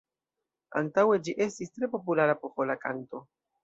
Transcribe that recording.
Antaŭe ĝi estis tre populara popola kanto.